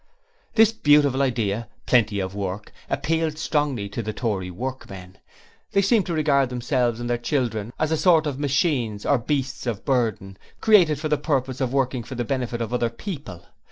This beautiful idea 'Plenty of Work' appealed strongly to the Tory workmen. They seemed to regard themselves and their children as a sort of machines or beasts of burden, created for the purpose of working for the benefit of other people.